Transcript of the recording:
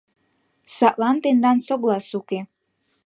Садлан тендан соглас уке.